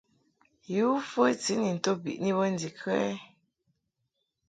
Yǔ fəti ni nto biʼni bə ndikə ɛ ?